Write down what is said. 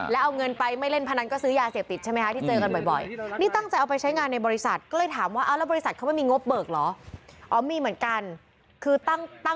ตั้งใจจะเอาไปใช้งานในบริษัทครับพี่อื่น